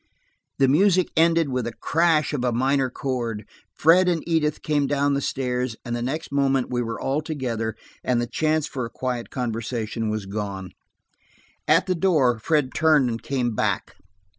The music ended with the crash of a minor chord. Fred and Edith came down the stairs, and the next moment we were all together, and the chance for a quiet conversation was gone. At the door Fred turned and came back.